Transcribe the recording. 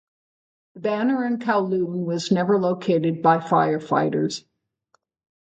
The banner in Kowloon was never located by firefighters.